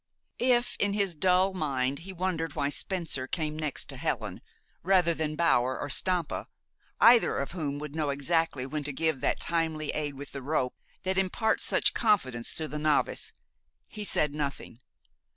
If, in his dull mind, he wondered why Spencer came next to Helen, rather than Bower or Stampa, either of whom would know exactly when to give that timely aid with the rope that imparts such confidence to the novice, he said nothing.